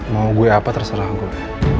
mau gue apa terserah anggup